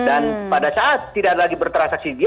dan pada saat tidak lagi bertransaksi dia